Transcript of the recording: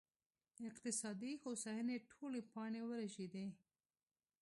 اقتصادي هوساینې ټولې پاڼې ورژېدې